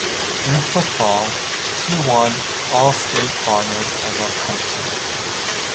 In football, he won All-State honors as a punter.